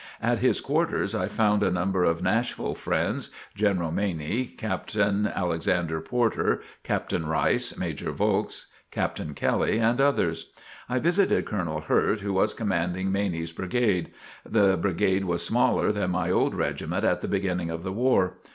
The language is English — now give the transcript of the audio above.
At his quarters, I found a number of Nashville friends General Maney, Captain Alexander Porter, Captain Rice, Major Vaulx, Captain Kelly and others. I visited Colonel Hurt who was commanding Maney's brigade. The brigade was smaller than my old regiment at the beginning of the war.